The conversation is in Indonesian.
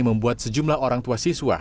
membuat sejumlah orang tua siswa